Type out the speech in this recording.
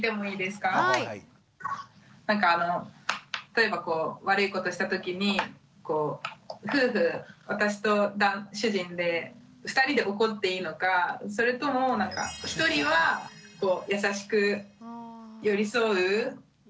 例えば悪いことした時に夫婦私と主人で２人で怒っていいのかそれとも１人は優しく寄り添う？